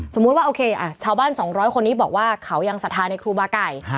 ว่าโอเคชาวบ้าน๒๐๐คนนี้บอกว่าเขายังศรัทธาในครูบาไก่